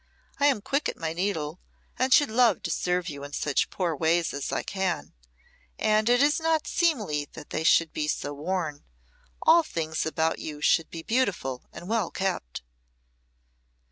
I am quick at my needle, and should love to serve you in such poor ways as I can; and it is not seemly that they should be so worn. All things about you should be beautiful and well kept."